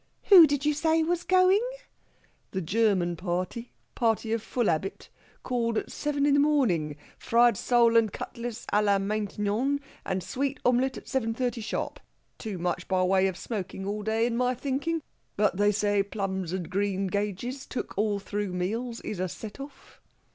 "Who did you say was going?" "The German party. Party of full 'abit. Call at seven in the morning. Fried sole and cutlets à la mangtynong and sweet omelet at seven thirty sharp. Too much by way of smoking all day, in my thinking! But they say plums and greengages, took all through meals, is a set off."